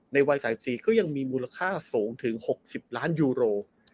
วัย๓๔ก็ยังมีมูลค่าสูงถึง๖๐ล้านยูโร